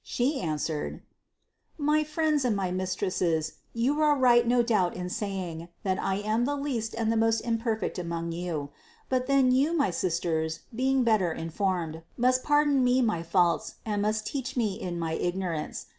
She answered: "My friends and my mistresses, you are right no doubt in saying, that I am the least and the most imperfect among you; but then you, my sisters, being better informed, must pardon me my faults and must teach me in my ignorance.